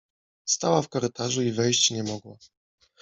Stała w korytarzu i wejść nie mogła.